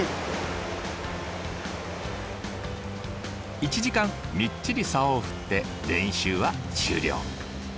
１時間みっちりサオを振って練習は終了。